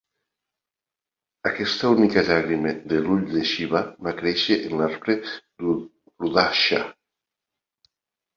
Aquesta única llàgrima de l'ull de Shiva va créixer en l'arbre rudraksha.